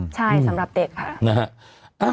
ใช่สำหรับเด็กค่ะ